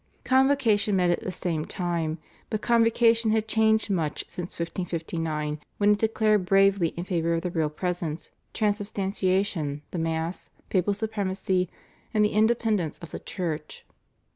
Convocation met at the same time, but Convocation had changed much since 1559 when it declared bravely in favour of the Real Presence, Transubstantiation, the Mass, Papal supremacy, and the independence of the Church.